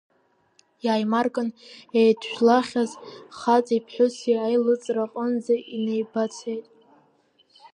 Иааимаркын, еидажәлахьаз хаҵеи ԥҳәыси аилыҵра аҟынӡа инеибацеит.